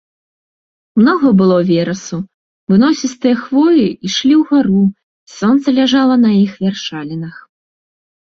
Многа было верасу, выносістыя хвоі ішлі ўгару, сонца ляжала на іх вяршалінах.